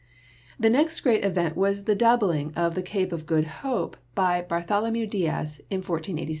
The next great event was the doubling of the Cape of Good Hope by Bartholomew Diaz in i486.